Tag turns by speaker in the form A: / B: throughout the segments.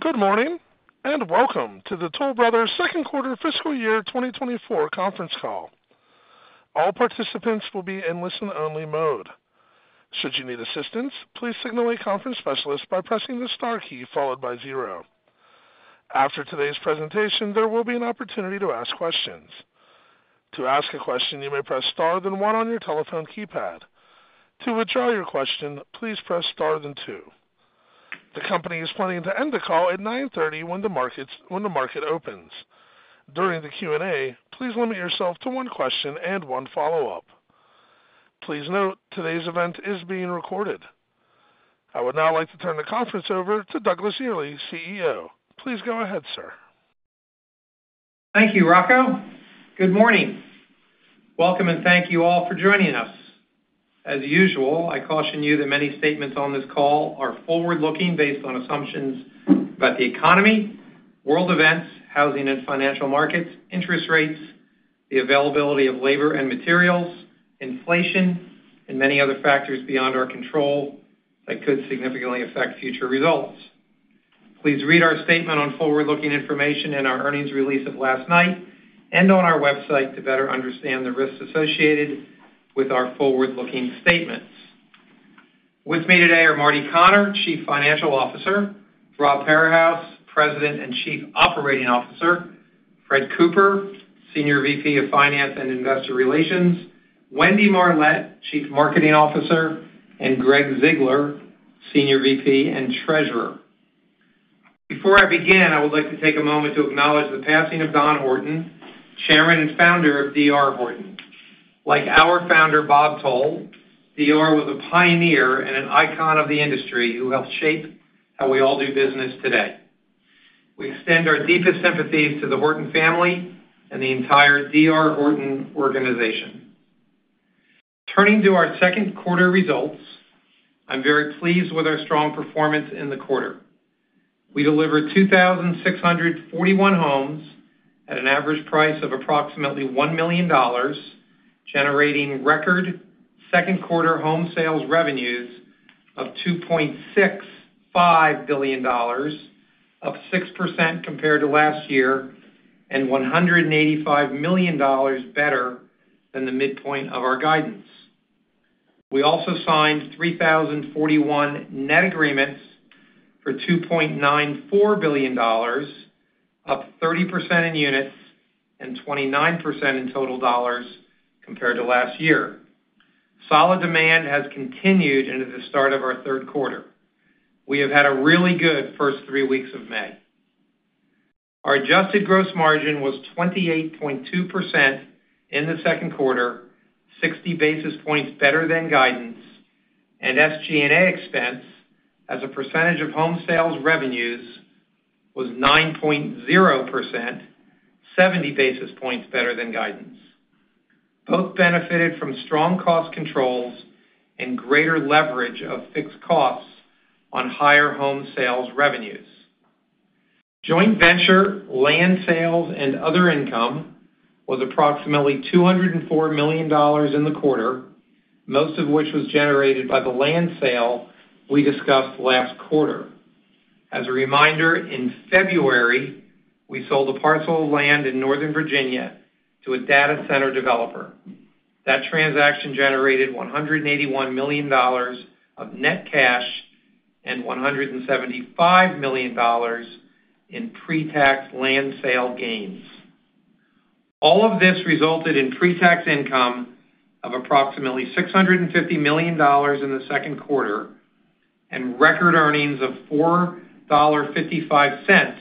A: Good morning, and welcome to the Toll Brothers second quarter fiscal year 2024 conference call. All participants will be in listen-only mode. Should you need assistance, please signal a conference specialist by pressing the star key followed by zero. After today's presentation, there will be an opportunity to ask questions. To ask a question, you may press star, then one on your telephone keypad. To withdraw your question, please press star, then two. The company is planning to end the call at 9:30 A.M. when the market opens. During the Q&A, please limit yourself to one question and one follow-up. Please note, today's event is being recorded. I would now like to turn the conference over to Douglas Yearley, CEO. Please go ahead, sir.
B: Thank you, Rocco. Good morning. Welcome, and thank you all for joining us. As usual, I caution you that many statements on this call are forward-looking, based on assumptions about the economy, world events, housing and financial markets, interest rates, the availability of labor and materials, inflation, and many other factors beyond our control that could significantly affect future results. Please read our statement on forward-looking information in our earnings release of last night and on our website to better understand the risks associated with our forward-looking statements. With me today are Martin Connor, Chief Financial Officer, Rob Parahus, President and Chief Operating Officer, Fred Cooper, Senior VP of Finance and Investor Relations, Wendy Marlett, Chief Marketing Officer, and Gregg Ziegler, Senior VP and Treasurer. Before I begin, I would like to take a moment to acknowledge the passing of Don Horton, chairman and founder of D.R. Horton. Like our founder, Bob Toll, D.R. was a pioneer and an icon of the industry who helped shape how we all do business today. We extend our deepest sympathies to the Horton family and the entire D.R. Horton organization. Turning to our second quarter results, I'm very pleased with our strong performance in the quarter. We delivered 2,641 homes at an average price of approximately $1 million, generating record second quarter home sales revenues of $2.65 billion, up 6% compared to last year, and $185 million better than the midpoint of our guidance. We also signed 3,041 net agreements for $2.94 billion, up 30% in units and 29% in total dollars compared to last year. Solid demand has continued into the start of our third quarter. We have had a really good first three weeks of May. Our adjusted gross margin was 28.2% in the second quarter, 60 basis points better than guidance, and SG&A expense as a percentage of home sales revenues was 9.0%, 70 basis points better than guidance. Both benefited from strong cost controls and greater leverage of fixed costs on higher home sales revenues. Joint venture, land sales, and other income was approximately $204 million in the quarter, most of which was generated by the land sale we discussed last quarter. As a reminder, in February, we sold a parcel of land in Northern Virginia to a data center developer. That transaction generated $181 million of net cash and $175 million in pre-tax land sale gains. All of this resulted in pre-tax income of approximately $650 million in the second quarter and record earnings of $4.55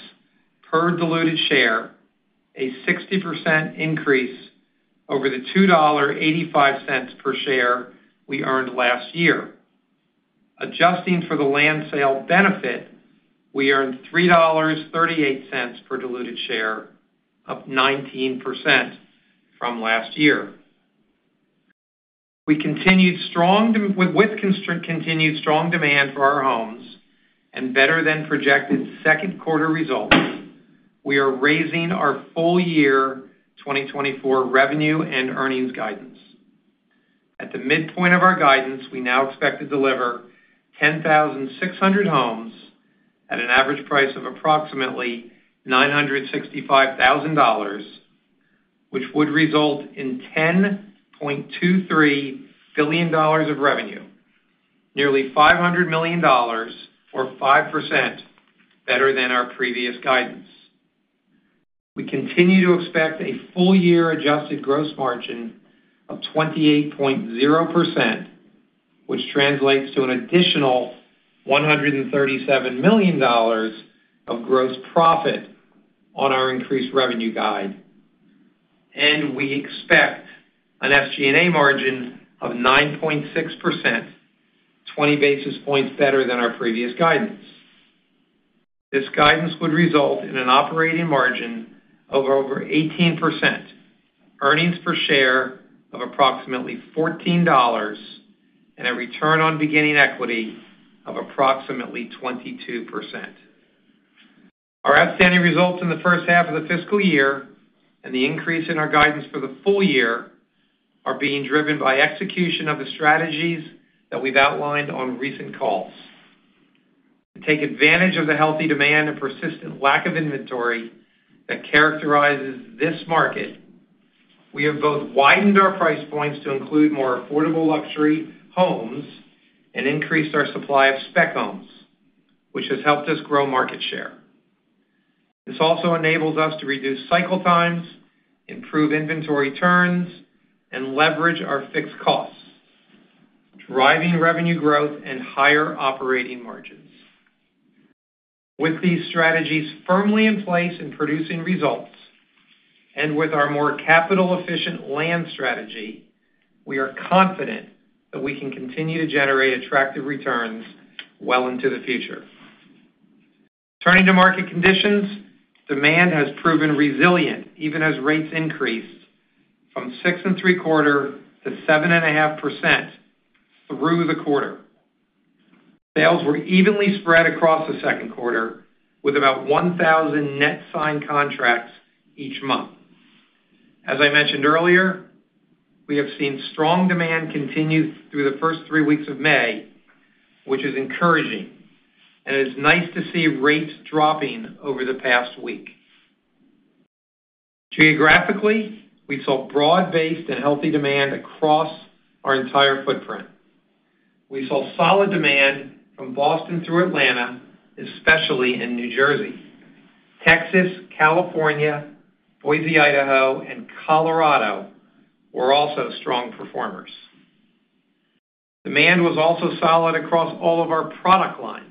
B: per diluted share, a 60% increase over the $2.85 per share we earned last year. Adjusting for the land sale benefit, we earned $3.38 per diluted share, up 19% from last year. We continued strong demand for our homes and better-than-projected second quarter results, we are raising our full year 2024 revenue and earnings guidance. At the midpoint of our guidance, we now expect to deliver 10,600 homes at an average price of approximately $965,000, which would result in $10.23 billion of revenue, nearly $500 million or 5% better than our previous guidance. We continue to expect a full year adjusted gross margin of 28.0%, which translates to an additional $137 million of gross profit on our increased revenue guide. And we expect an SG&A margin of 9.6%, 20 basis points better than our previous guidance. This guidance would result in an operating margin of over 18%, earnings per share of approximately $14, and a return on beginning equity of approximately 22%.... Our outstanding results in the first half of the fiscal year and the increase in our guidance for the full year are being driven by execution of the strategies that we've outlined on recent calls. To take advantage of the healthy demand and persistent lack of inventory that characterizes this market, we have both widened our price points to include more affordable luxury homes and increased our supply of spec homes, which has helped us grow market share. This also enables us to reduce cycle times, improve inventory turns, and leverage our fixed costs, driving revenue growth and higher operating margins. With these strategies firmly in place and producing results, and with our more capital-efficient land strategy, we are confident that we can continue to generate attractive returns well into the future. Turning to market conditions, demand has proven resilient, even as rates increased from 6.75% - 7.5% through the quarter. Sales were evenly spread across the second quarter, with about 1,000 net signed contracts each month. As I mentioned earlier, we have seen strong demand continue through the first three weeks of May, which is encouraging, and it's nice to see rates dropping over the past week. Geographically, we saw broad-based and healthy demand across our entire footprint. We saw solid demand from Boston through Atlanta, especially in New Jersey. Texas, California, Boise, Idaho, and Colorado were also strong performers. Demand was also solid across all of our product lines.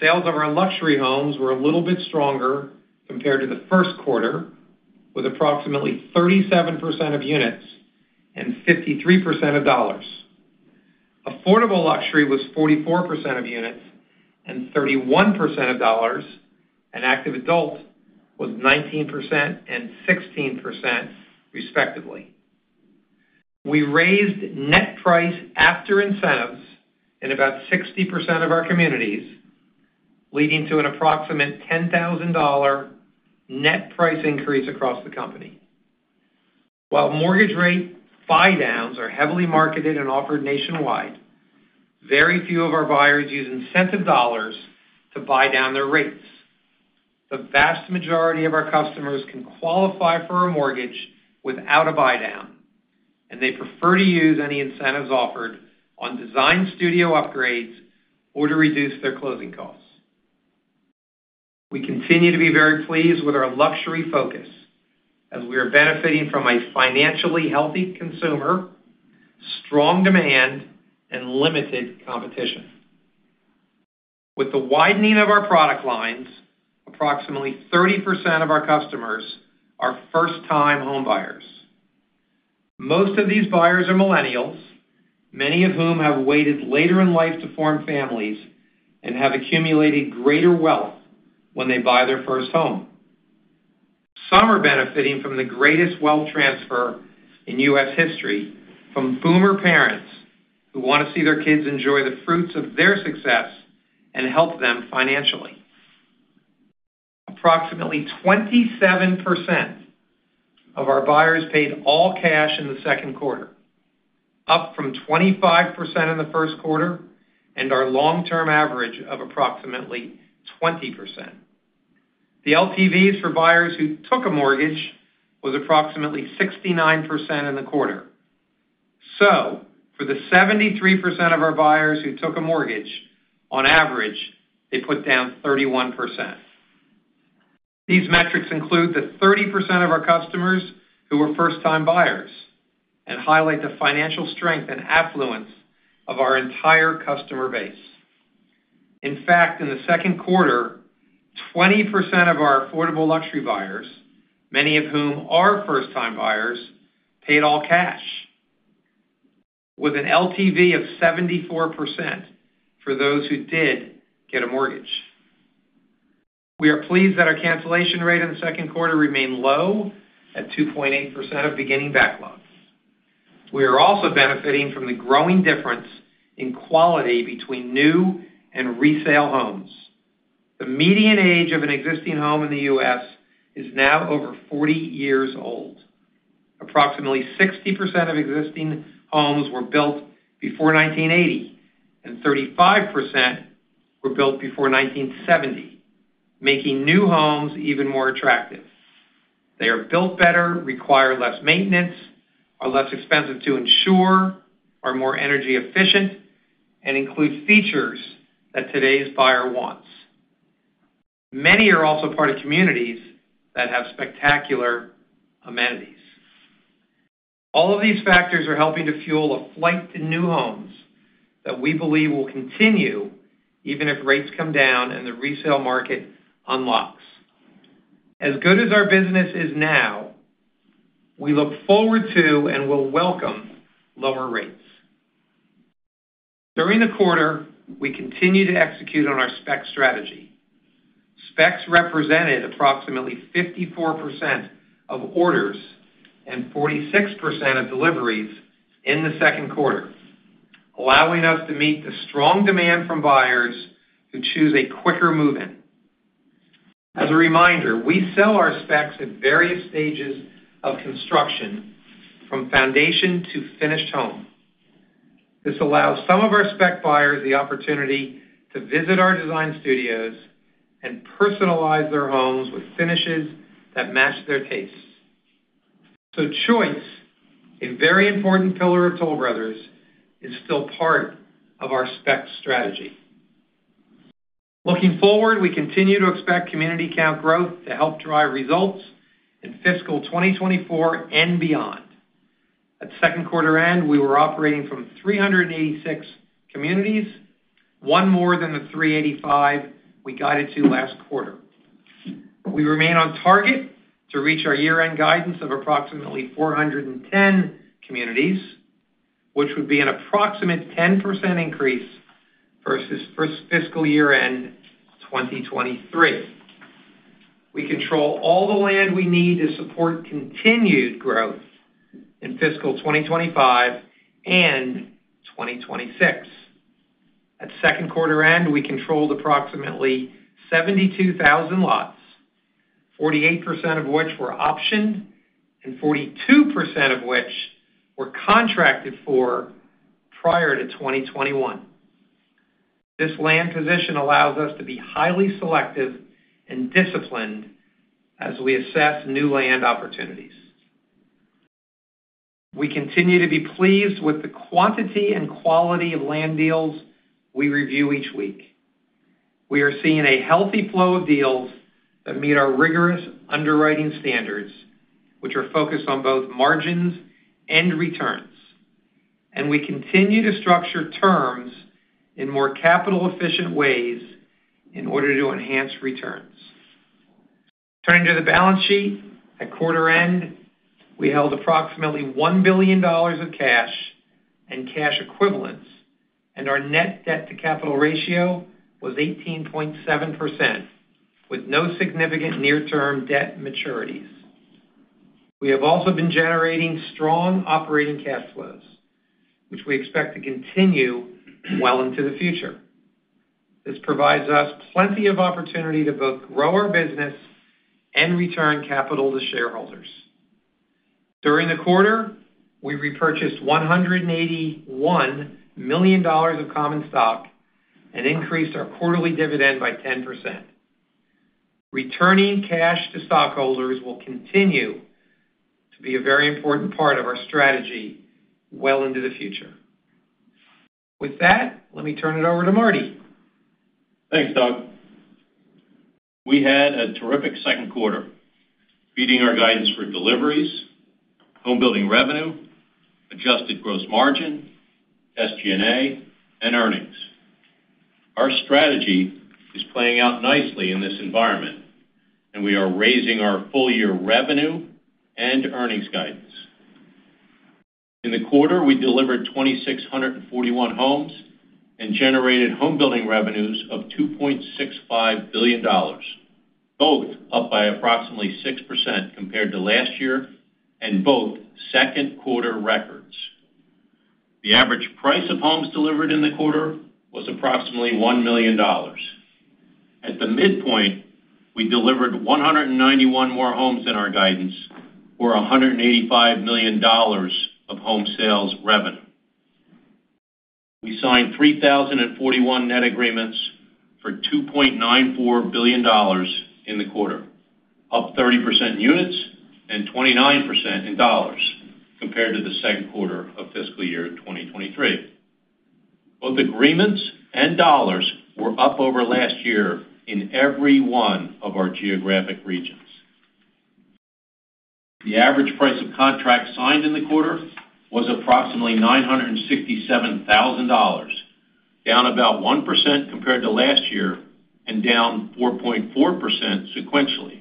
B: Sales of our luxury homes were a little bit stronger compared to the first quarter, with approximately 37% of units and 53% of dollars. Affordable Luxury was 44% of units and 31% of dollars, and Active Adult was 19% and 16%, respectively. We raised net price after incentives in about 60% of our communities, leading to an approximate $10,000 net price increase across the company. While mortgage rate buydowns are heavily marketed and offered nationwide, very few of our buyers use incentive dollars to buy down their rates. The vast majority of our customers can qualify for a mortgage without a buydown, and they prefer to use any incentives offered on design studio upgrades or to reduce their closing costs. We continue to be very pleased with our luxury focus as we are benefiting from a financially healthy consumer, strong demand, and limited competition. With the widening of our product lines, approximately 30% of our customers are first-time homebuyers. Most of these buyers are millennials, many of whom have waited later in life to form families and have accumulated greater wealth when they buy their first home. Some are benefiting from the greatest wealth transfer in U.S. history, from boomer parents who want to see their kids enjoy the fruits of their success and help them financially. Approximately 27% of our buyers paid all cash in the second quarter, up from 25% in the first quarter, and our long-term average of approximately 20%. The LTVs for buyers who took a mortgage was approximately 69% in the quarter. So for the 73% of our buyers who took a mortgage, on average, they put down 31%. These metrics include the 30% of our customers who were first-time buyers and highlight the financial strength and affluence of our entire customer base. In fact, in the second quarter, 20% of our affordable luxury buyers, many of whom are first-time buyers, paid all cash, with an LTV of 74% for those who did get a mortgage. We are pleased that our cancellation rate in the second quarter remained low at 2.8% of beginning backlogs. We are also benefiting from the growing difference in quality between new and resale homes. The median age of an existing home in the U.S. is now over 40 years old. Approximately 60% of existing homes were built before 1980, and 35% were built before 1970, making new homes even more attractive. They are built better, require less maintenance, are less expensive to insure, are more energy efficient, and include features that today's buyer wants. Many are also part of communities that have spectacular amenities. All of these factors are helping to fuel a flight to new homes that we believe will continue even if rates come down and the resale market unlocks. As good as our business is now, we look forward to and will welcome lower rates. During the quarter, we continued to execute on our spec strategy. Specs represented approximately 54% of orders and 46% of deliveries in the second quarter, allowing us to meet the strong demand from buyers who choose a quicker move-in. As a reminder, we sell our specs at various stages of construction, from foundation to finished home. This allows some of our spec buyers the opportunity to visit our design studios and personalize their homes with finishes that match their tastes. So choice, a very important pillar of Toll Brothers, is still part of our spec strategy. Looking forward, we continue to expect community count growth to help drive results in fiscal 2024 and beyond. At second quarter end, we were operating from 386 communities, one more than the 385 we guided to last quarter. We remain on target to reach our year-end guidance of approximately 410 communities, which would be an approximate 10% increase versus first fiscal year end 2023. We control all the land we need to support continued growth in fiscal 2025 and 2026. At second quarter end, we controlled approximately 72,000 lots, 48% of which were optioned and 42% of which were contracted for prior to 2021. This land position allows us to be highly selective and disciplined as we assess new land opportunities. We continue to be pleased with the quantity and quality of land deals we review each week. We are seeing a healthy flow of deals that meet our rigorous underwriting standards, which are focused on both margins and returns, and we continue to structure terms in more capital-efficient ways in order to enhance returns. Turning to the balance sheet, at quarter end, we held approximately $1 billion of cash and cash equivalents, and our net debt to capital ratio was 18.7%, with no significant near-term debt maturities. We have also been generating strong operating cash flows, which we expect to continue well into the future. This provides us plenty of opportunity to both grow our business and return capital to shareholders. During the quarter, we repurchased $181 million of common stock and increased our quarterly dividend by 10%. Returning cash to stockholders will continue to be a very important part of our strategy well into the future. With that, let me turn it over to Marty.
C: Thanks, Doug. We had a terrific second quarter, beating our guidance for deliveries, homebuilding revenue, adjusted gross margin, SG&A, and earnings. Our strategy is playing out nicely in this environment, and we are raising our full-year revenue and earnings guidance. In the quarter, we delivered 2,641 homes and generated homebuilding revenues of $2.65 billion, both up by approximately 6% compared to last year, and both second quarter records. The average price of homes delivered in the quarter was approximately $1 million. At the midpoint, we delivered 191 more homes in our guidance, or $185 million of home sales revenue. We signed 3,041 net agreements for $2.94 billion in the quarter, up 30% in units and 29% in dollars compared to the second quarter of fiscal year 2023. Both agreements and dollars were up over last year in every one of our geographic regions. The average price of contracts signed in the quarter was approximately $967,000, down about 1% compared to last year and down 4.4% sequentially.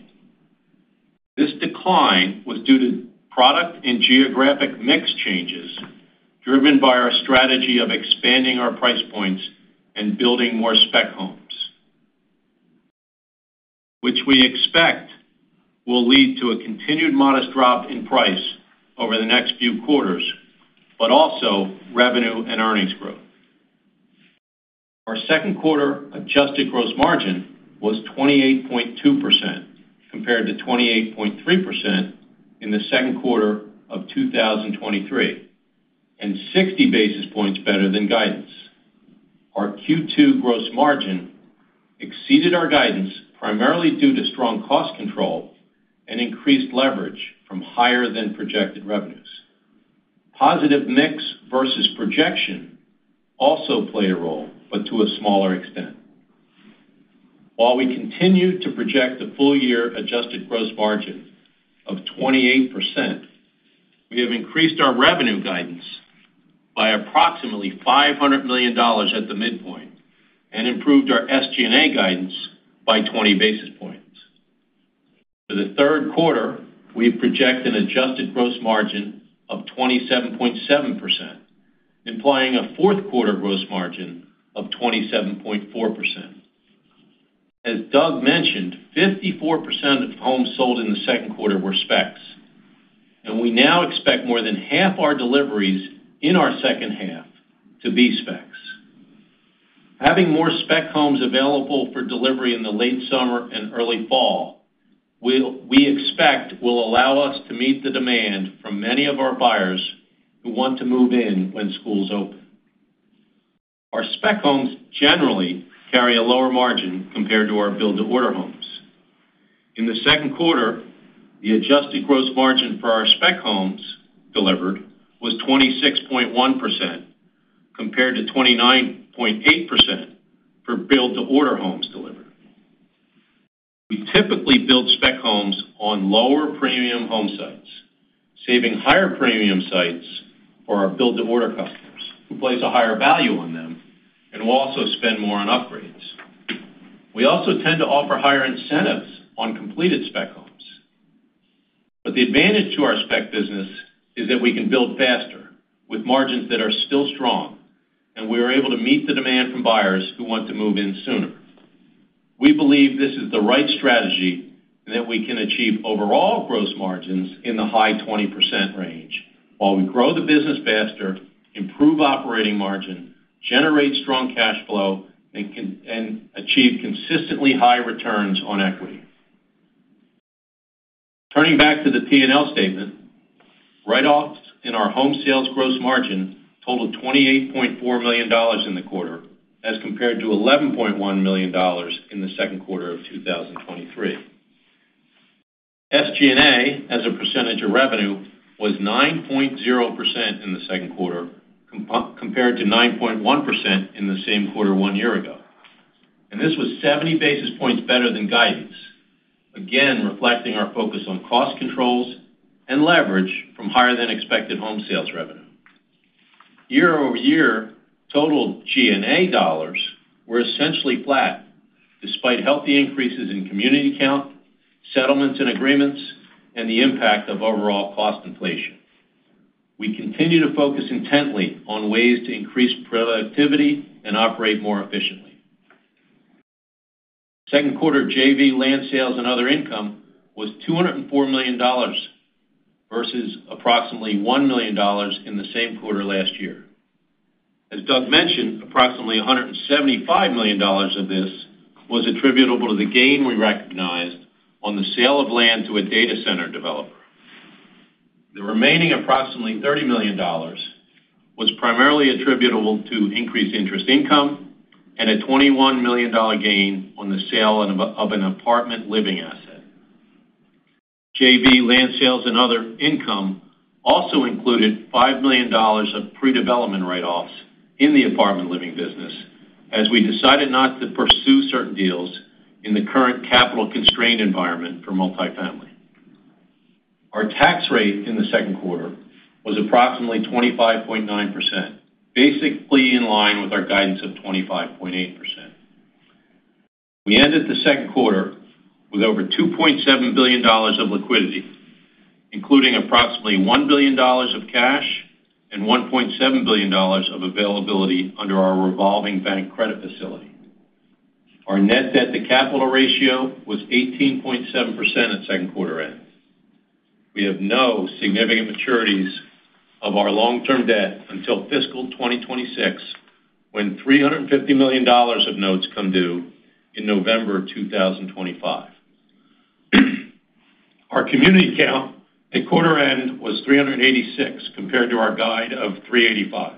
C: This decline was due to product and geographic mix changes, driven by our strategy of expanding our price points and building more spec homes, which we expect will lead to a continued modest drop in price over the next few quarters, but also revenue and earnings growth. Our second quarter adjusted gross margin was 28.2%, compared to 28.3% in the second quarter of 2023, and 60 basis points better than guidance. Our Q2 gross margin exceeded our guidance, primarily due to strong cost control and increased leverage from higher than projected revenues. Positive mix versus projection also played a role, but to a smaller extent. While we continue to project the full year adjusted gross margin of 28%, we have increased our revenue guidance by approximately $500 million at the midpoint and improved our SG&A guidance by 20 basis points. For the third quarter, we project an adjusted gross margin of 27.7%, implying a fourth quarter gross margin of 27.4%. As Doug mentioned, 54% of homes sold in the second quarter were specs, and we now expect more than half our deliveries in our second half to be specs. Having more spec homes available for delivery in the late summer and early fall, we expect will allow us to meet the demand from many of our buyers who want to move in when schools open. Our spec homes generally carry a lower margin compared to our build-to-order homes. In the second quarter, the adjusted gross margin for our spec homes delivered was 26.1%, compared to 29.8% for build-to-order homes delivered. We typically build spec homes on lower premium home sites, saving higher premium sites for our build-to-order customers, who place a higher value on them and will also spend more on upgrades. We also tend to offer higher incentives on completed spec homes. But the advantage to our spec business is that we can build faster with margins that are still strong, and we are able to meet the demand from buyers who want to move in sooner. We believe this is the right strategy and that we can achieve overall gross margins in the high 20% range while we grow the business faster, improve operating margin, generate strong cash flow, and achieve consistently high returns on equity. Turning back to the P&L statement, write-offs in our home sales gross margin totaled $28.4 million in the quarter, as compared to $11.1 million in the second quarter of 2023. SG&A, as a percentage of revenue, was 9.0% in the second quarter, compared to 9.1% in the same quarter one year ago. And this was 70 basis points better than guidance, again, reflecting our focus on cost controls and leverage from higher-than-expected home sales revenue. Year-over-year, total G&A dollars were essentially flat, despite healthy increases in community count, settlements and agreements, and the impact of overall cost inflation. We continue to focus intently on ways to increase productivity and operate more efficiently. Second quarter JV land sales and other income was $204 million versus approximately $1 million in the same quarter last year. As Doug mentioned, approximately $175 million of this was attributable to the gain we recognized on the sale of land to a data center developer. The remaining approximately $30 million was primarily attributable to increased interest income and a $21 million gain on the sale of an apartment living asset. JV land sales and other income also included $5 million of pre-development write-offs in the apartment living business, as we decided not to pursue certain deals in the current capital-constrained environment for multifamily. Our tax rate in the second quarter was approximately 25.9%, basically in line with our guidance of 25.8%. We ended the second quarter with over $2.7 billion of liquidity, including approximately $1 billion of cash and $1.7 billion of availability under our revolving bank credit facility. Our net debt to capital ratio was 18.7% at second quarter end. We have no significant maturities of our long-term debt until fiscal 2026, when $350 million of notes come due in November 2025. Our community count at quarter end was 386, compared to our guide of 385.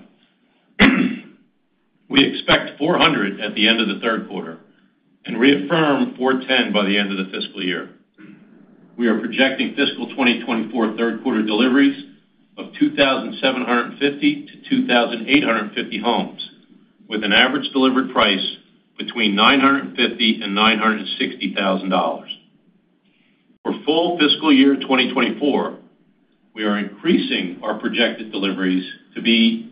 C: We expect 400 at the end of the third quarter and reaffirm 410 by the end of the fiscal year. We are projecting fiscal 2024 third quarter deliveries of 2,750-2,850 homes, with an average delivered price between $950,000 and $960,000. For full fiscal year 2024, we are increasing our projected deliveries to be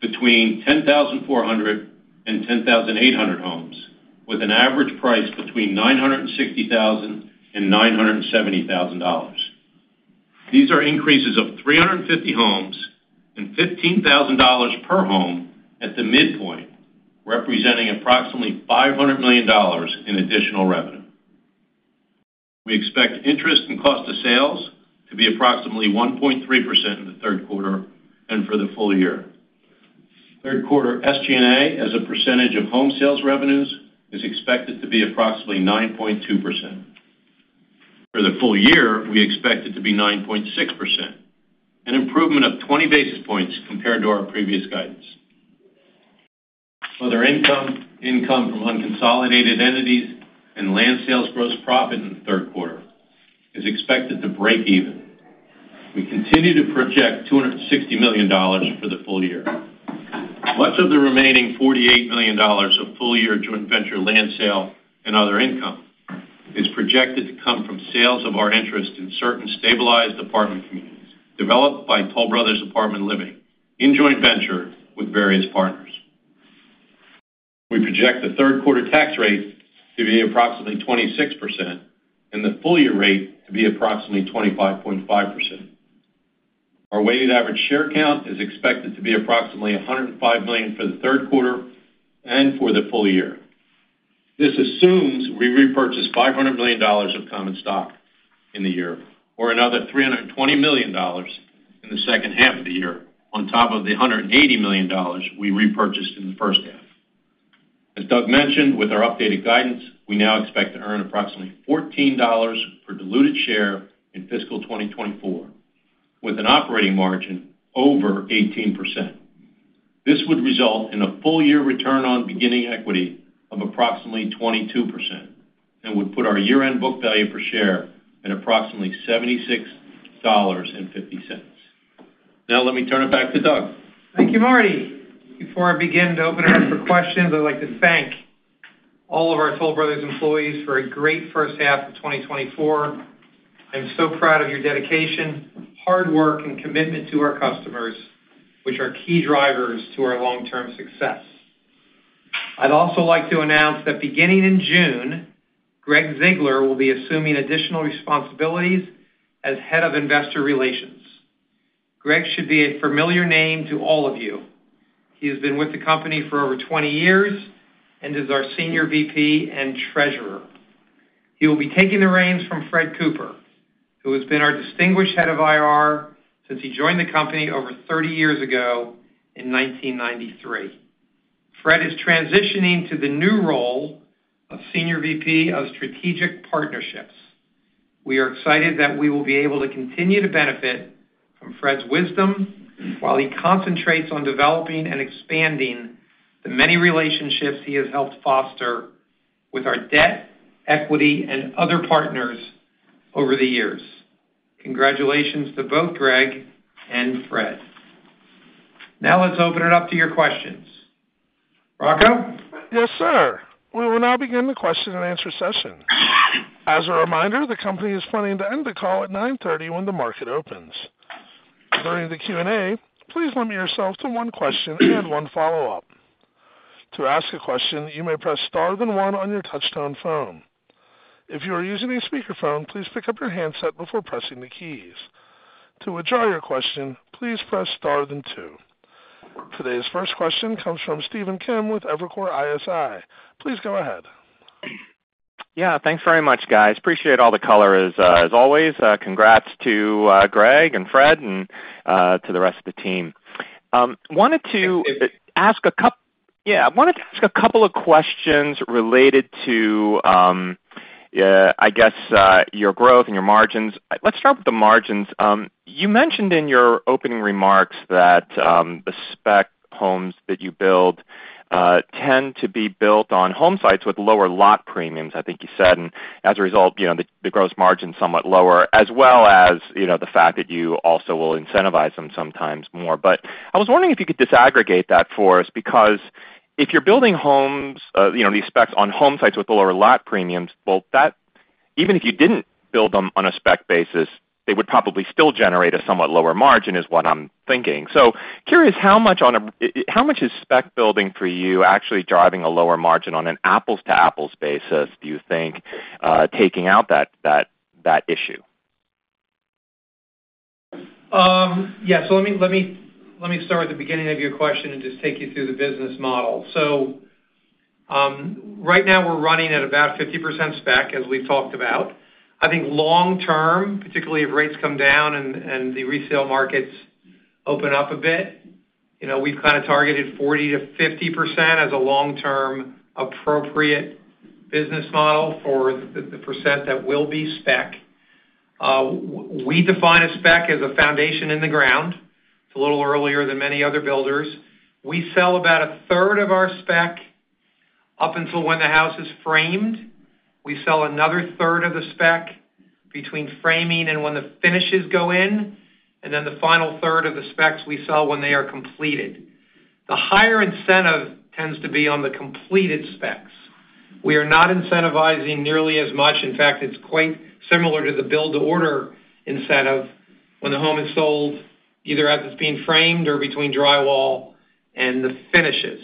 C: between 10,400-10,800 homes, with an average price between $960,000 and $970,000. These are increases of 350 homes and $15,000 per home at the midpoint, representing approximately $500 million in additional revenue. We expect interest and cost of sales to be approximately 1.3% in the third quarter and for the full year. Third quarter SG&A, as a percentage of home sales revenues, is expected to be approximately 9.2%. For the full year, we expect it to be 9.6%, an improvement of 20 basis points compared to our previous guidance. Other income, income from unconsolidated entities and land sales gross profit in the third quarter is expected to break even. We continue to project $260 million for the full year. Much of the remaining $48 million of full-year joint venture land sale and other income is projected to come from sales of our interest in certain stabilized apartment communities developed by Toll Brothers Apartment Living in joint venture with various partners. We project the third quarter tax rate to be approximately 26% and the full year rate to be approximately 25.5%. Our weighted average share count is expected to be approximately 105 million for the third quarter and for the full year. This assumes we repurchase $500 million of common stock in the year, or another $320 million in the second half of the year, on top of the $180 million we repurchased in the first half. As Doug mentioned, with our updated guidance, we now expect to earn approximately $14 per diluted share in fiscal 2024, with an operating margin over 18%. This would result in a full-year return on beginning equity of approximately 22% and would put our year-end book value per share at approximately $76.50. Now let me turn it back to Doug.
B: Thank you, Marty. Before I begin to open it up for questions, I'd like to thank all of our Toll Brothers employees for a great first half of 2024. I'm so proud of your dedication, hard work, and commitment to our customers, which are key drivers to our long-term success. I'd also like to announce that beginning in June, Gregg Ziegler will be assuming additional responsibilities as head of investor relations. Gregg should be a familiar name to all of you. He has been with the company for over 20 years and is our Senior VP and Treasurer. He will be taking the reins from Frederick Cooper, who has been our distinguished head of IR since he joined the company over 30 years ago in 1993. Frederick is transitioning to the new role of Senior VP of Strategic Partnerships. We are excited that we will be able to continue to benefit from Fred's wisdom, while he concentrates on developing and expanding the many relationships he has helped foster with our debt, equity, and other partners over the years. Congratulations to both Greg and Fred. Now let's open it up to your questions. Rocco?
A: Yes, sir. We will now begin the question and answer session. As a reminder, the company is planning to end the call at 9:30 A.M. when the market opens. During the Q&A, please limit yourselves to one question and one follow-up. To ask a question, you may press star, then one on your touchtone phone. If you are using a speakerphone, please pick up your handset before pressing the keys. To withdraw your question, please press star, then two. Today's first question comes from Stephen Kim with Evercore ISI. Please go ahead.
D: Yeah, thanks very much, guys. Appreciate all the color as always. Congrats to Greg and Fred and to the rest of the team. I wanted to ask a couple of questions related to, I guess, your growth and your margins. Let's start with the margins. You mentioned in your opening remarks that the spec homes that you build tend to be built on home sites with lower lot premiums, I think you said, and as a result, you know, the gross margin is somewhat lower, as well as, you know, the fact that you also will incentivize them sometimes more. But I was wondering if you could disaggregate that for us, because if you're building homes, you know, these specs on home sites with lower lot premiums, well, that even if you didn't build them on a spec basis, they would probably still generate a somewhat lower margin, is what I'm thinking. So curious, how much on a- how much is spec building for you actually driving a lower margin on an apples-to-apples basis, do you think, taking out that, that, that issue?
B: Yeah. So let me start at the beginning of your question and just take you through the business model. So, right now, we're running at about 50% spec, as we've talked about. I think long term, particularly if rates come down and the resale markets open up a bit, you know, we've kind of targeted 40%-50% as a long-term appropriate business model for the percent that will be spec. We define a spec as a foundation in the ground. It's a little earlier than many other builders. We sell about a third of our spec up until when the house is framed. We sell another third of the spec between framing and when the finishes go in, and then the final third of the specs we sell when they are completed. The higher incentive tends to be on the completed specs. We are not incentivizing nearly as much. In fact, it's quite similar to the build-to-order incentive when the home is sold, either as it's being framed or between drywall and the finishes.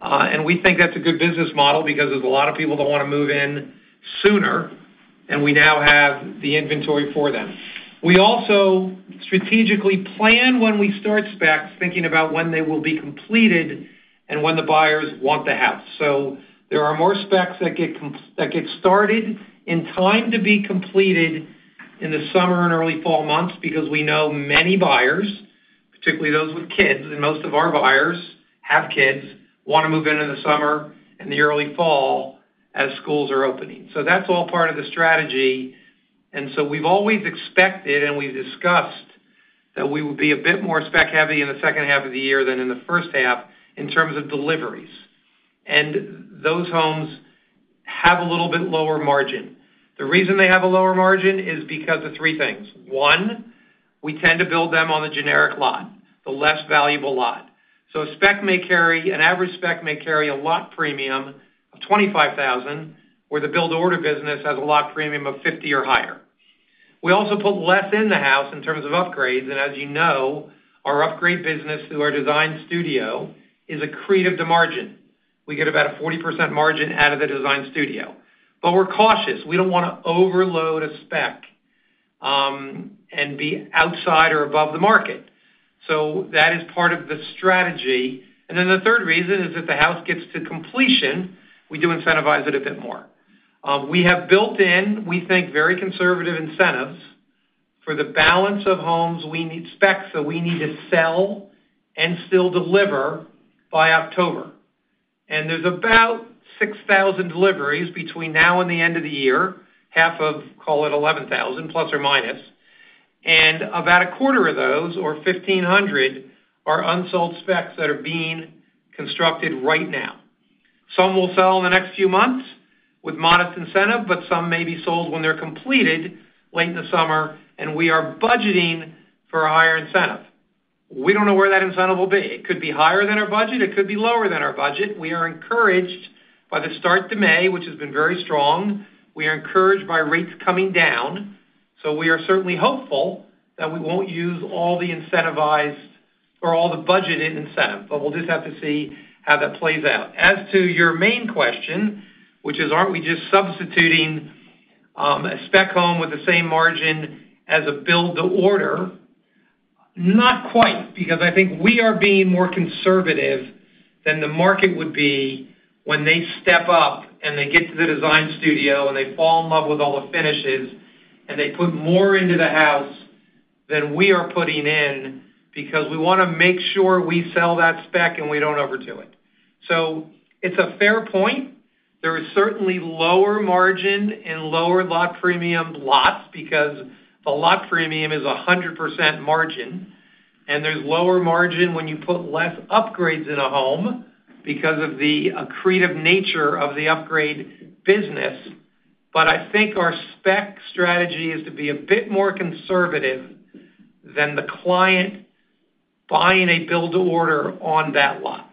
B: And we think that's a good business model because there's a lot of people that wanna move in sooner, and we now have the inventory for them. We also strategically plan when we start specs, thinking about when they will be completed and when the buyers want the house. So there are more specs that get started in time to be completed in the summer and early fall months, because we know many buyers, particularly those with kids, and most of our buyers have kids, wanna move in in the summer and the early fall as schools are opening. So that's all part of the strategy, and so we've always expected, and we've discussed, that we will be a bit more spec-heavy in the second half of the year than in the first half in terms of deliveries. And those homes have a little bit lower margin. The reason they have a lower margin is because of three things. One, we tend to build them on the generic lot, the less valuable lot. So a spec may carry... an average spec may carry a lot premium of $25,000, where the build-to-order business has a lot premium of $50 or higher. We also put less in the house in terms of upgrades, and as you know, our upgrade business through our design studio is accretive to margin.... we get about a 40% margin out of the design studio. But we're cautious. We don't wanna overload a spec, and be outside or above the market. So that is part of the strategy. Then the third reason is if the house gets to completion, we do incentivize it a bit more. We have built in, we think, very conservative incentives for the balance of homes we need, specs that we need to sell and still deliver by October. And there's about 6,000 deliveries between now and the end of the year, half of, call it 11,000, plus or minus, and about a quarter of those, or 1,500, are unsold specs that are being constructed right now. Some will sell in the next few months with modest incentive, but some may be sold when they're completed late in the summer, and we are budgeting for a higher incentive. We don't know where that incentive will be. It could be higher than our budget, it could be lower than our budget. We are encouraged by the start to May, which has been very strong. We are encouraged by rates coming down, so we are certainly hopeful that we won't use all the incentivized or all the budgeted incentive, but we'll just have to see how that plays out. As to your main question, which is, aren't we just substituting, a spec home with the same margin as a build to order? Not quite, because I think we are being more conservative than the market would be when they step up and they get to the design studio, and they fall in love with all the finishes, and they put more into the house than we are putting in, because we wanna make sure we sell that spec and we don't overdo it. So it's a fair point. There is certainly lower margin and lower lot premium lots, because the lot premium is 100% margin, and there's lower margin when you put less upgrades in a home because of the accretive nature of the upgrade business. But I think our spec strategy is to be a bit more conservative than the client buying a build-to-order on that lot.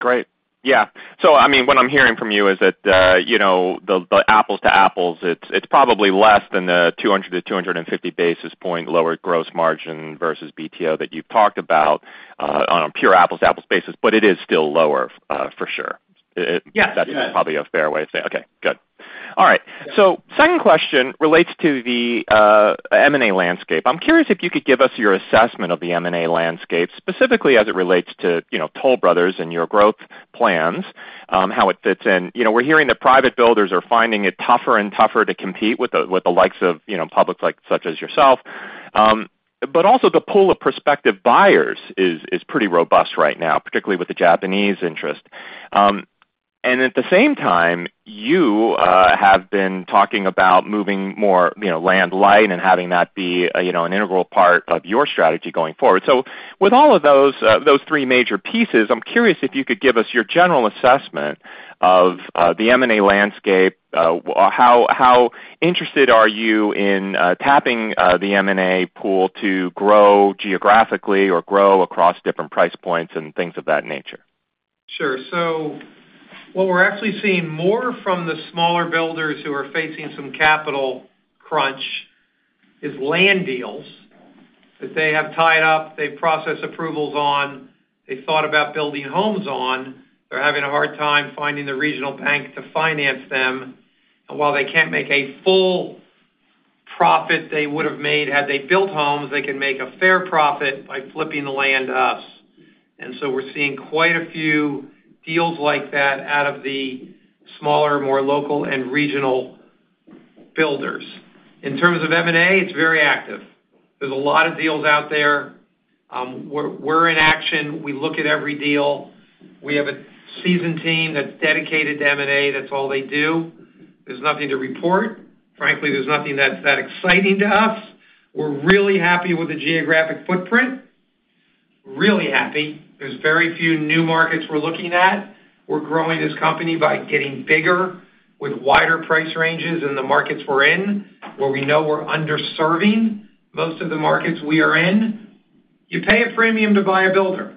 D: Great. Yeah. So, I mean, what I'm hearing from you is that, you know, the apples to apples, it's probably less than the 200-250 basis point lower gross margin versus BTO that you've talked about, on a pure apples to apples basis, but it is still lower, for sure.
B: Yeah.
D: That's probably a fair way to say it. Okay, good. All right. So second question relates to the M&A landscape. I'm curious if you could give us your assessment of the M&A landscape, specifically as it relates to, you know, Toll Brothers and your growth plans, how it fits in. You know, we're hearing that private builders are finding it tougher and tougher to compete with the likes of, you know, publics like, such as yourself. But also the pool of prospective buyers is pretty robust right now, particularly with the Japanese interest. And at the same time, you have been talking about moving more, you know, land light and having that be, you know, an integral part of your strategy going forward. So with all of those, those three major pieces, I'm curious if you could give us your general assessment of, the M&A landscape, how, how interested are you in, tapping, the M&A pool to grow geographically or grow across different price points and things of that nature?
B: Sure. So what we're actually seeing more from the smaller builders who are facing some capital crunch is land deals that they have tied up, they've processed approvals on, they've thought about building homes on. They're having a hard time finding the regional bank to finance them, and while they can't make a full profit they would have made had they built homes, they can make a fair profit by flipping the land to us. And so we're seeing quite a few deals like that out of the smaller, more local and regional builders. In terms of M&A, it's very active. There's a lot of deals out there. We're in action. We look at every deal. We have a seasoned team that's dedicated to M&A. That's all they do. There's nothing to report. Frankly, there's nothing that's that exciting to us. We're really happy with the geographic footprint. Really happy. There's very few new markets we're looking at. We're growing this company by getting bigger with wider price ranges in the markets we're in, where we know we're underserving most of the markets we are in. You pay a premium to buy a builder.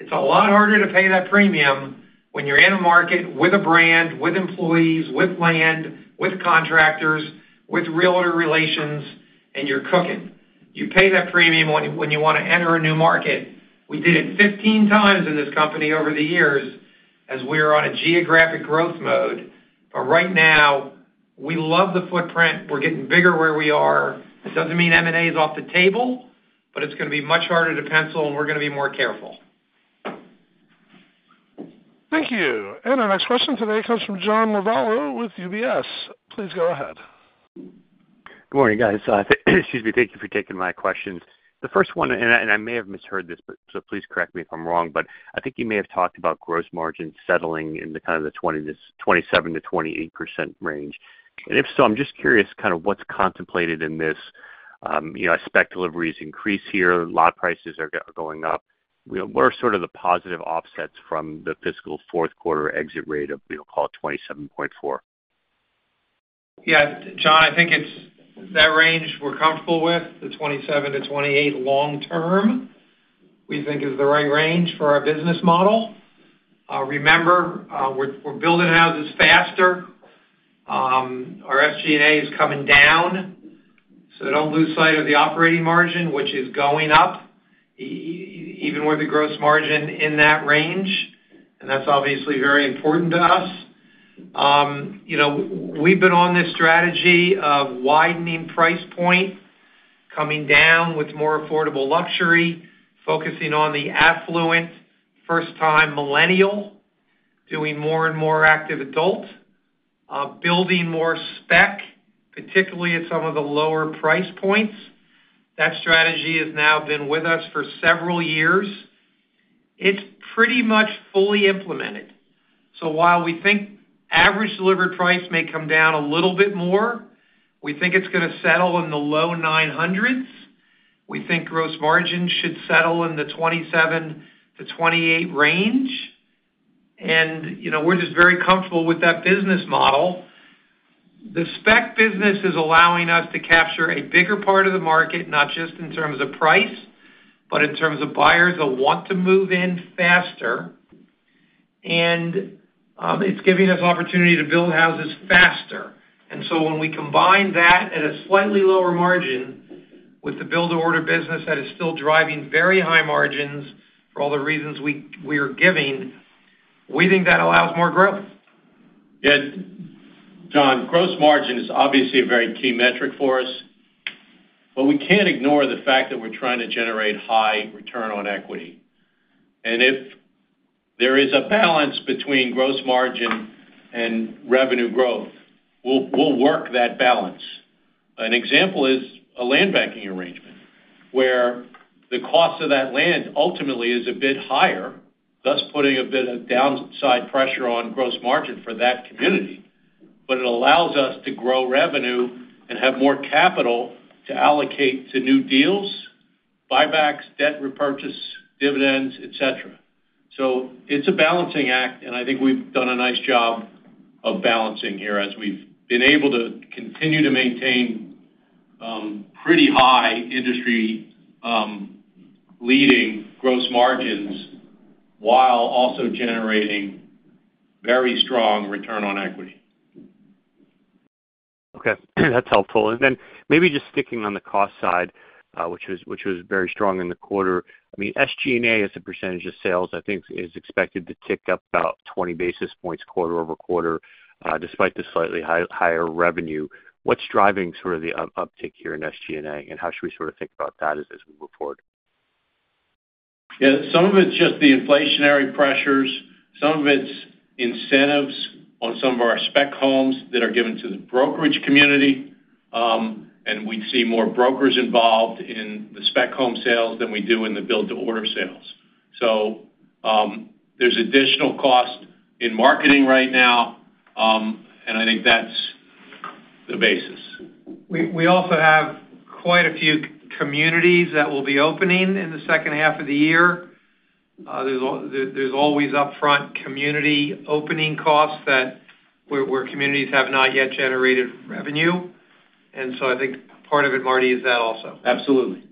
B: It's a lot harder to pay that premium when you're in a market with a brand, with employees, with land, with contractors, with realtor relations, and you're cooking. You pay that premium when you, when you wanna enter a new market. We did it 15 times in this company over the years as we are on a geographic growth mode. But right now, we love the footprint. We're getting bigger where we are. This doesn't mean M&A is off the table, but it's gonna be much harder to pencil, and we're gonna be more careful.
A: Thank you. And our next question today comes from John Lovallo with UBS. Please go ahead.
E: Good morning, guys. Excuse me. Thank you for taking my questions. The first one, and I, and I may have misheard this, but, so please correct me if I'm wrong, but I think you may have talked about gross margin settling in the kind of the 20%- 27%-28% range. And if so, I'm just curious, kind of what's contemplated in this. You know, as spec deliveries increase here, lot prices are going up. You know, what are sort of the positive offsets from the fiscal fourth quarter exit rate of, we'll call it 27.4?
B: Yeah, John, I think it's that range we're comfortable with, the 27%-28% long term, we think is the right range for our business model. Remember, we're building houses faster. Our SG&A is coming down. So don't lose sight of the operating margin, which is going up, even with the gross margin in that range, and that's obviously very important to us. You know, we've been on this strategy of widening price point, coming down with more Affordable Luxury, focusing on the affluent, first-time millennial, doing more and more Active Adult, building more spec, particularly at some of the lower price points. That strategy has now been with us for several years. It's pretty much fully implemented. So while we think average delivered price may come down a little bit more, we think it's gonna settle in the low $900s. We think gross margins should settle in the 27%-28% range. And, you know, we're just very comfortable with that business model. The spec business is allowing us to capture a bigger part of the market, not just in terms of price, but in terms of buyers that want to move in faster, and it's giving us opportunity to build houses faster. And so when we combine that at a slightly lower margin with the build-to-order business that is still driving very high margins for all the reasons we, we are giving, we think that allows more growth.
C: Yeah. John, gross margin is obviously a very key metric for us, but we can't ignore the fact that we're trying to generate high return on equity. And if there is a balance between gross margin and revenue growth, we'll, we'll work that balance. An example is a land banking arrangement, where the cost of that land ultimately is a bit higher, thus putting a bit of downside pressure on gross margin for that community, but it allows us to grow revenue and have more capital to allocate to new deals, buybacks, debt repurchase, dividends, et cetera. So it's a balancing act, and I think we've done a nice job of balancing here as we've been able to continue to maintain pretty high industry leading gross margins, while also generating very strong return on equity.
E: Okay, that's helpful. And then maybe just sticking on the cost side, uh, which was very strong in the quarter. I mean, SG&A, as a percentage of sales, I think is expected to tick up about 20 basis points quarter-over-quarter, uh, despite the slightly higher revenue. What's driving sort of the uptick here in SG&A, and how should we sort of think about that as we move forward?
C: Yeah, some of it's just the inflationary pressures, some of it's incentives on some of our spec homes that are given to the brokerage community. And we see more brokers involved in the spec home sales than we do in the build-to-order sales. So, there's additional cost in marketing right now, and I think that's the basis.
B: We also have quite a few communities that will be opening in the second half of the year. There's always upfront community opening costs that where communities have not yet generated revenue, and so I think part of it, Marty, is that also.
C: Absolutely.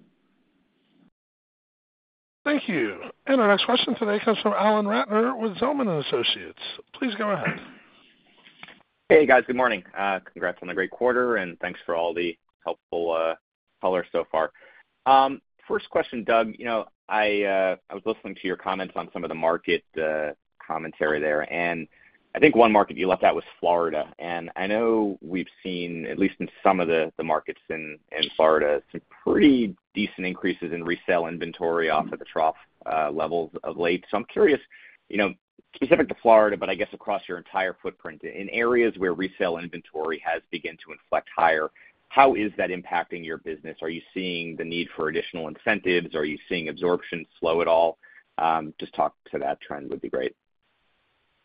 A: Thank you. Our next question today comes from Alan Ratner with Zelman & Associates. Please go ahead.
F: Hey, guys. Good morning. Congrats on the great quarter, and thanks for all the helpful color so far. First question, Doug, you know, I was listening to your comments on some of the market commentary there, and I think one market you left out was Florida. And I know we've seen, at least in some of the markets in Florida, some pretty decent increases in resale inventory off of the trough levels of late. So I'm curious, you know, specific to Florida, but I guess across your entire footprint, in areas where resale inventory has begun to inflect higher, how is that impacting your business? Are you seeing the need for additional incentives? Are you seeing absorption slow at all? Just talk to that trend would be great.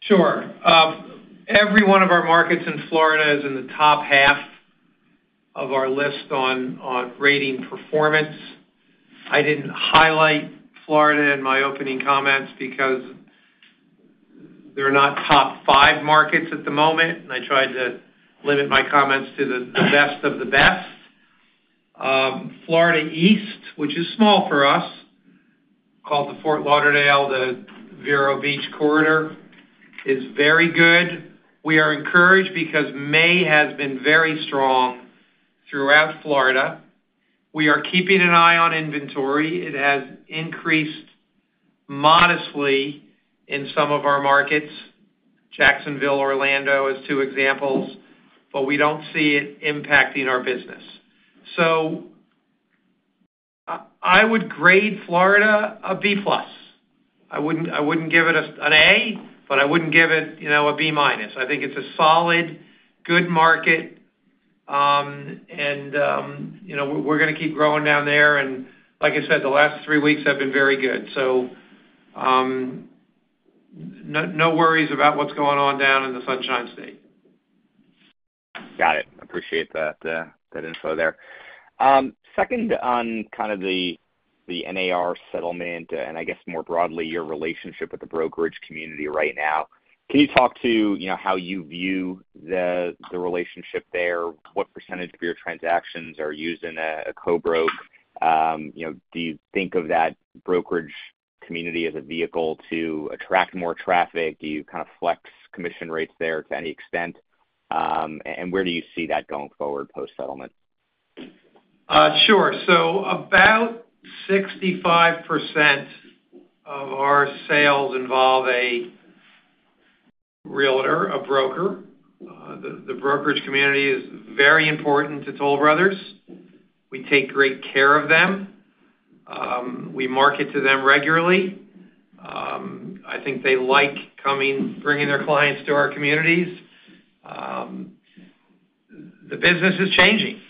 B: Sure. Every one of our markets in Florida is in the top half of our list on rating performance. I didn't highlight Florida in my opening comments because they're not top five markets at the moment, and I tried to limit my comments to the best of the best. Florida East, which is small for us, called the Fort Lauderdale, the Vero Beach corridor, is very good. We are encouraged because May has been very strong throughout Florida. We are keeping an eye on inventory. It has increased modestly in some of our markets. Jacksonville, Orlando is two examples, but we don't see it impacting our business. So I would grade Florida a B-plus. I wouldn't give it an A, but I wouldn't give it, you know, a B-minus. I think it's a solid, good market, and, you know, we're gonna keep growing down there, and like I said, the last three weeks have been very good. So, no, no worries about what's going on down in the Sunshine State.
F: Got it. Appreciate that, that info there. Second, on kind of the, the NAR settlement, and I guess more broadly, your relationship with the brokerage community right now. Can you talk to, you know, how you view the, the relationship there? What percentage of your transactions are used in a co-broke? You know, do you think of that brokerage community as a vehicle to attract more traffic? Do you kind of flex commission rates there to any extent? And where do you see that going forward, post-settlement?
B: Sure. So about 65% of our sales involve a realtor, a broker. The brokerage community is very important to Toll Brothers. We take great care of them. We market to them regularly. I think they like coming, bringing their clients to our communities. The business is changing.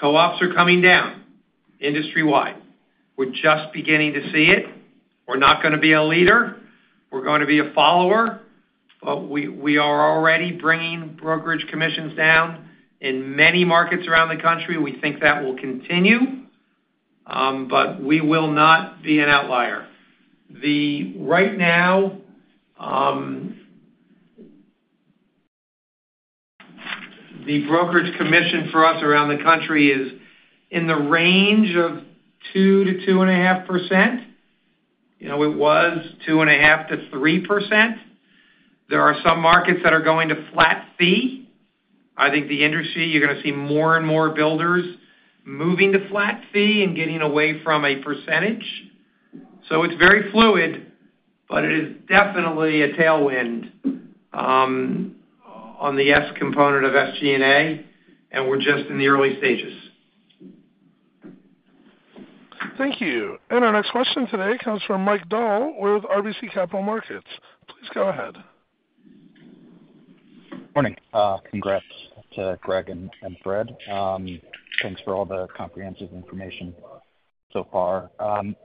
B: Co-ops are coming down industry-wide. We're just beginning to see it. We're not gonna be a leader. We're going to be a follower, but we are already bringing brokerage commissions down in many markets around the country. We think that will continue, but we will not be an outlier. Right now, the brokerage commission for us around the country is in the range of 2%-2.5%. You know, it was 2.5%-3%. There are some markets that are going to flat fee. I think the industry, you're gonna see more and more builders moving to flat fee and getting away from a percentage. So it's very fluid, but it is definitely a tailwind on the S component of SG&A, and we're just in the early stages.
A: Thank you. Our next question today comes from Mike Dahl with RBC Capital Markets. Please go ahead.
G: Morning. Congrats to Greg and Fred. Thanks for all the comprehensive information so far.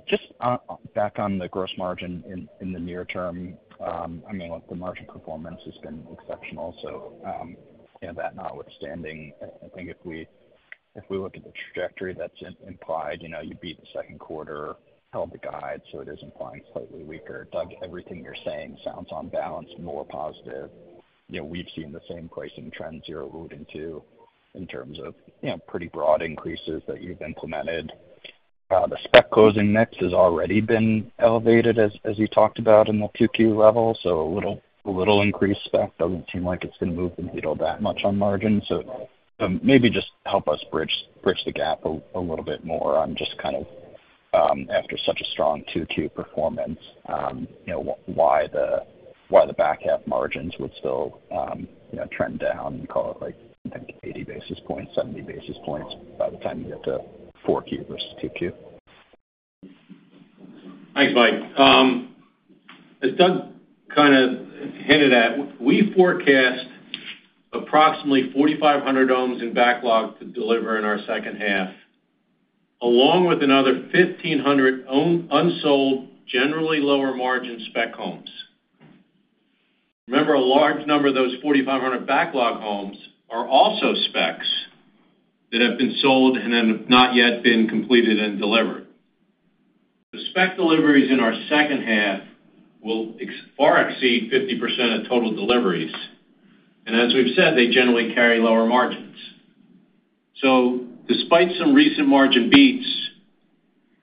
G: Just back on the gross margin in the near term, I mean, look, the margin performance has been exceptional. So, you know, that notwithstanding, I think if we look at the trajectory that's implied, you know, you beat the second quarter, held the guide, so it is implying slightly weaker. Doug, everything you're saying sounds on balance more positive. You know, we've seen the same pricing trends you're alluding to in terms of, you know, pretty broad increases that you've implemented. The spec closing mix has already been elevated, as you talked about in the Q2 level. So a little increased spec doesn't seem like it's gonna move the needle that much on margin. So, maybe just help us bridge the gap a little bit more on just kind of, after such a strong 2Q performance, you know, why the back half margins would still, you know, trend down, call it, like, I think 80 basis points, 70 basis points by the time you get to 4Q versus 2Q.
C: Thanks, Mike. As Doug kind of hinted at, we forecast approximately 4,500 homes in backlog to deliver in our second half, along with another 1,500 owned unsold, generally lower-margin spec homes. Remember, a large number of those 4,500 backlog homes are also specs that have been sold and have not yet been completed and delivered. The spec deliveries in our second half will far exceed 50% of total deliveries, and as we've said, they generally carry lower margins. So despite some recent margin beats,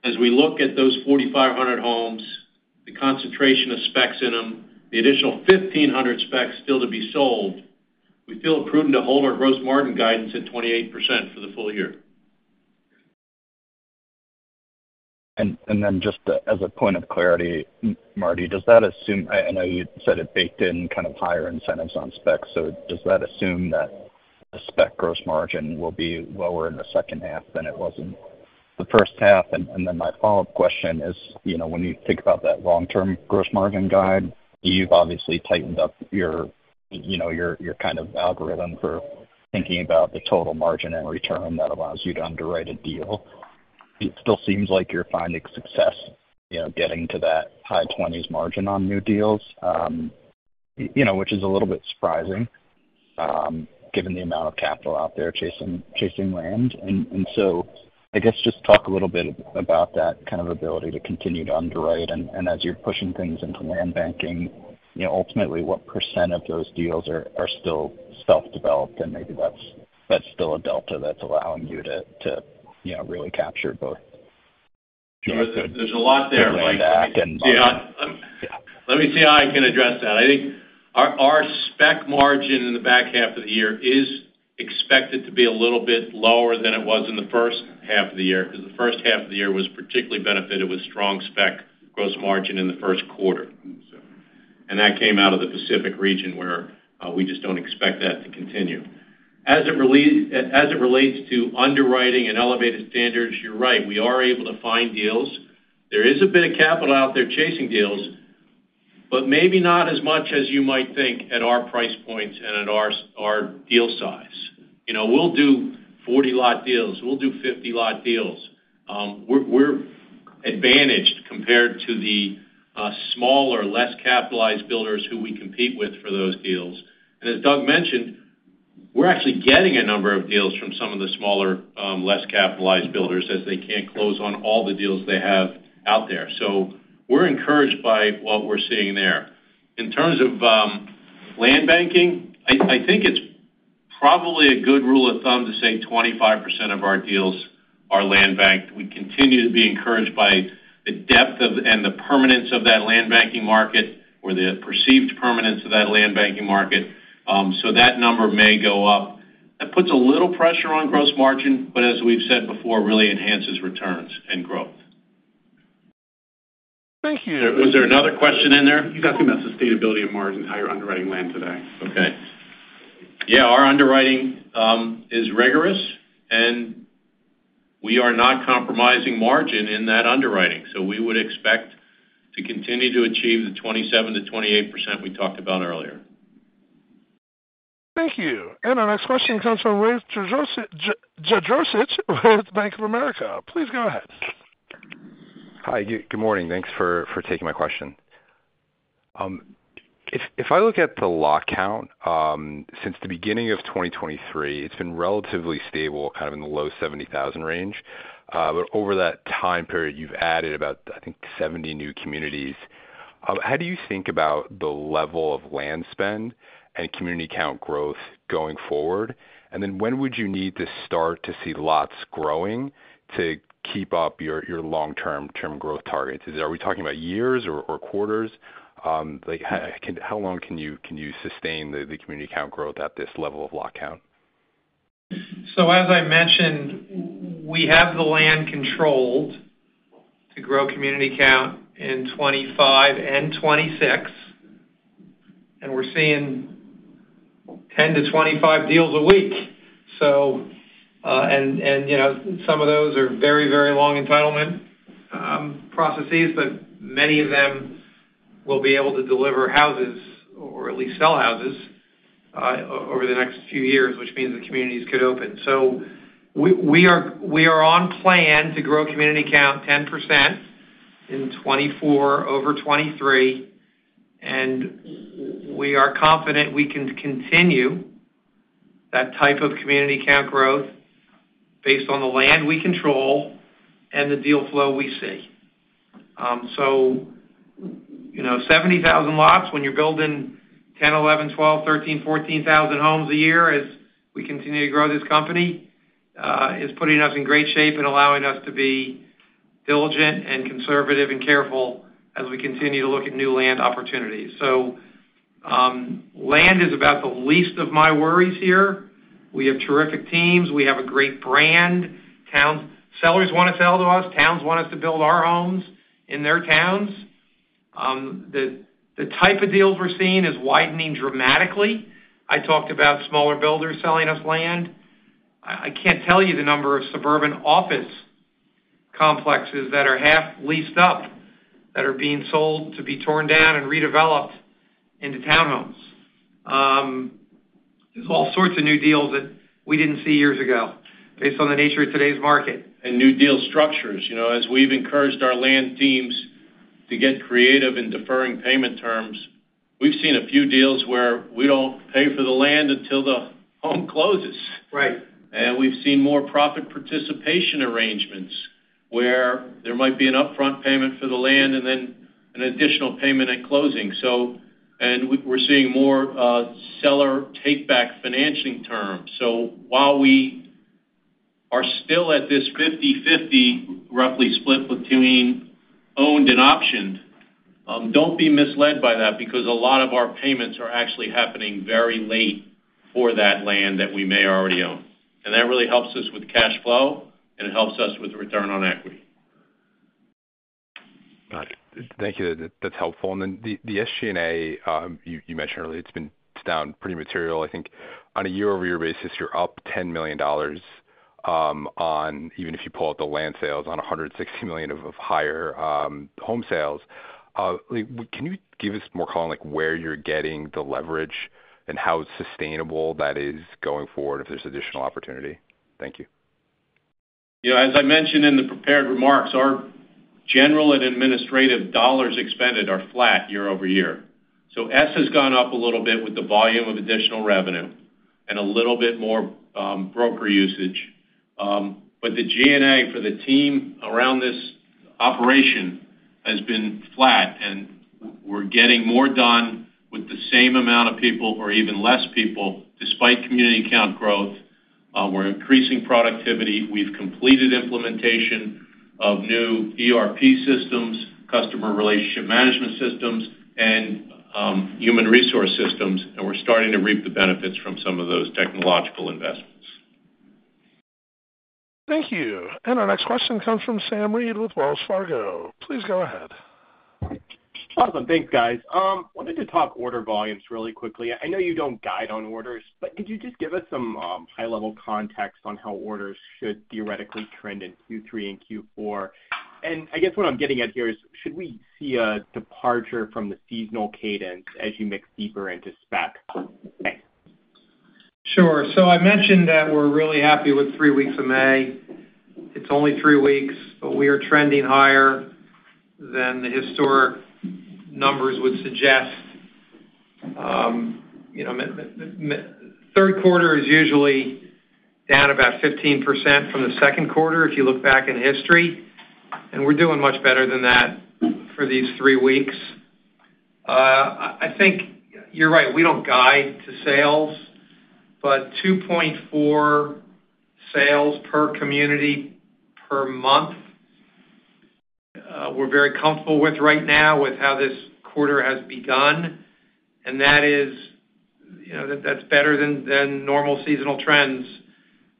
C: as we look at those 4,500 homes, the concentration of specs in them, the additional 1,500 specs still to be sold, we feel it prudent to hold our gross margin guidance at 28% for the full year.
G: Then just as a point of clarity, Marty, does that assume? I know you said it baked in kind of higher incentives on specs, so does that assume that the spec gross margin will be lower in the second half than it was in the first half? And then my follow-up question is, you know, when you think about that long-term gross margin guide, you've obviously tightened up your, you know, your kind of algorithm for thinking about the total margin and return that allows you to underwrite a deal. It still seems like you're finding success, you know, getting to that high twenties margin on new deals, you know, which is a little bit surprising, given the amount of capital out there chasing land. So I guess just talk a little bit about that kind of ability to continue to underwrite, and as you're pushing things into land banking, you know, ultimately, what percent of those deals are still self-developed? And maybe that's still a delta that's allowing you to, you know, really capture both.
C: There's a lot there.
G: Yeah.
C: Let me see how I can address that. I think our, our spec margin in the back half of the year is expected to be a little bit lower than it was in the first half of the year, because the first half of the year was particularly benefited with strong spec gross margin in the first quarter. And that came out of the Pacific region, where we just don't expect that to continue. As it relate, as it relates to underwriting and elevated standards, you're right, we are able to find deals. There is a bit of capital out there chasing deals, but maybe not as much as you might think at our price points and at our deal size. You know, we'll do 40-lot deals, we'll do 50-lot deals. We're advantaged compared to the smaller, less capitalized builders who we compete with for those deals. And as Doug mentioned, we're actually getting a number of deals from some of the smaller, less capitalized builders, as they can't close on all the deals they have out there. So we're encouraged by what we're seeing there. In terms of land banking, I think it's-... probably a good rule of thumb to say 25% of our deals are land banked. We continue to be encouraged by the depth of, and the permanence of that land banking market, or the perceived permanence of that land banking market, so that number may go up. That puts a little pressure on gross margin, but as we've said before, really enhances returns and growth.
A: Thank you.
B: Was there another question in there?
A: He's asking about sustainability of margin, how you're underwriting land today.
B: Okay. Yeah, our underwriting is rigorous, and we are not compromising margin in that underwriting. So we would expect to continue to achieve the 27%-28% we talked about earlier.
A: Thank you. Our next question comes from Rafe Jadrosich with Bank of America Securities. Please go ahead.
H: Hi, good morning. Thanks for taking my question. If I look at the lot count, since the beginning of 2023, it's been relatively stable, kind of in the low 70,000 range. But over that time period, you've added about, I think, 70 new communities. How do you think about the level of land spend and community count growth going forward? And then when would you need to start to see lots growing to keep up your long-term growth targets? Are we talking about years or quarters? Like, how long can you sustain the community count growth at this level of lot count?
B: So as I mentioned, we have the land controlled to grow community count in 2025 and 2026, and we're seeing 10-25 deals a week. So, and, you know, some of those are very, very long entitlement processes, but many of them will be able to deliver houses or at least sell houses, over the next few years, which means the communities could open. So we are on plan to grow community count 10% in 2024, over 2023, and we are confident we can continue that type of community count growth based on the land we control and the deal flow we see. So, you know, 70,000 lots, when you're building 10, 11, 12, 13, 14 thousand homes a year as we continue to grow this company, is putting us in great shape and allowing us to be diligent and conservative and careful as we continue to look at new land opportunities. Land is about the least of my worries here. We have terrific teams. We have a great brand. Towns. Sellers want to sell to us, towns want us to build our homes in their towns. The type of deals we're seeing is widening dramatically. I talked about smaller builders selling us land. I can't tell you the number of suburban office complexes that are half leased up, that are being sold to be torn down and redeveloped into townhomes. There's all sorts of new deals that we didn't see years ago, based on the nature of today's market.
C: New deal structures. You know, as we've encouraged our land teams to get creative in deferring payment terms, we've seen a few deals where we don't pay for the land until the home closes.
B: Right.
C: And we've seen more profit participation arrangements, where there might be an upfront payment for the land and then an additional payment at closing. And we're seeing more seller take back financing terms. So while we are still at this 50/50, roughly split between owned and optioned, don't be misled by that, because a lot of our payments are actually happening very late for that land that we may already own. And that really helps us with cash flow, and it helps us with return on equity.
H: Got it. Thank you. That, that's helpful. And then the SG&A, you mentioned earlier, it's been—it's down pretty material. I think on a year-over-year basis, you're up $10 million, even if you pull out the land sales, on $160 million of higher home sales. Like, can you give us more color on, like, where you're getting the leverage and how sustainable that is going forward, if there's additional opportunity? Thank you.
C: Yeah, as I mentioned in the prepared remarks, our general and administrative dollars expended are flat year-over-year. So S has gone up a little bit with the volume of additional revenue and a little bit more, broker usage. But the G&A for the team around this operation has been flat, and we're getting more done with the same amount of people or even less people, despite community count growth. We're increasing productivity. We've completed implementation of new ERP systems, customer relationship management systems, and, human resource systems, and we're starting to reap the benefits from some of those technological investments.
A: Thank you. And our next question comes from Sam Reid with Wells Fargo. Please go ahead.
I: Awesome. Thanks, guys. Wanted to talk order volumes really quickly. I know you don't guide on orders, but could you just give us some high-level context on how orders should theoretically trend in Q3 and Q4? And I guess what I'm getting at here is, should we see a departure from the seasonal cadence as you mix deeper into spec? Thanks.
B: Sure. So I mentioned that we're really happy with three weeks of May. It's only three weeks, but we are trending higher than the historic numbers would suggest. You know, third quarter is usually down about 15% from the second quarter, if you look back in history, and we're doing much better than that for these three weeks. I think you're right. We don't guide to sales, but 2.4 sales per community per month, we're very comfortable with right now with how this quarter has begun, and that is, you know, that's better than normal seasonal trends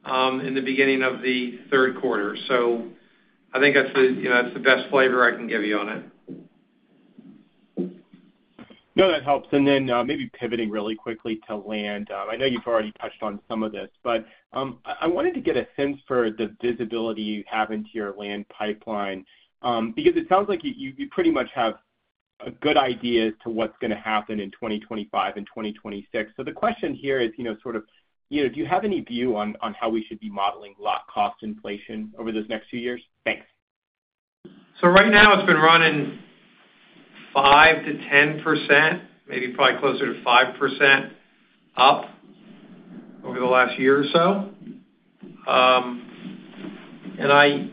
B: in the beginning of the third quarter. So I think that's the, you know, that's the best flavor I can give you on it.
I: No, that helps. And then, maybe pivoting really quickly to land. I know you've already touched on some of this, but, I, I wanted to get a sense for the visibility you have into your land pipeline. Because it sounds like you, you pretty much have a good idea as to what's gonna happen in 2025 and 2026. So the question here is, you know, sort of, you know, do you have any view on, on how we should be modeling lot cost inflation over those next few years? Thanks.
B: So right now, it's been running 5%-10%, maybe probably closer to 5% up over the last year or so. And I,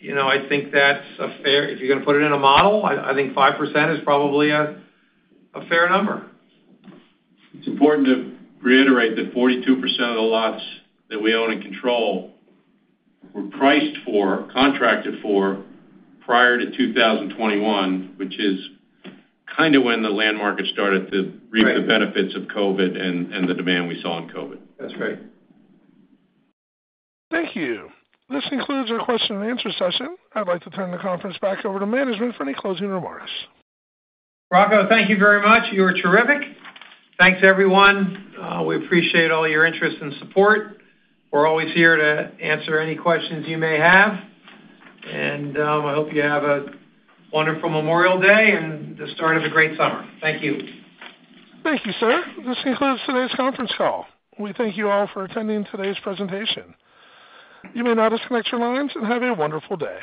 B: you know, I think that's a fair... If you're gonna put it in a model, I think 5% is probably a fair number.
C: It's important to reiterate that 42% of the lots that we own and control were priced for, contracted for prior to 2021, which is kind of when the land market started to-
B: Right
C: reap the benefits of COVID and the demand we saw in COVID.
B: That's right.
A: Thank you. This concludes our question and answer session. I'd like to turn the conference back over to management for any closing remarks.
B: Rocco, thank you very much. You were terrific. Thanks, everyone. We appreciate all your interest and support. We're always here to answer any questions you may have, and I hope you have a wonderful Memorial Day and the start of a great summer. Thank you.
A: Thank you, sir. This concludes today's conference call. We thank you all for attending today's presentation. You may now disconnect your lines, and have a wonderful day.